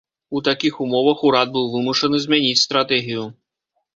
У такіх умовах урад быў вымушаны змяніць стратэгію.